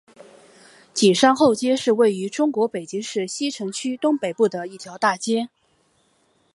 景山后街是位于中国北京市西城区东北部的一条大街。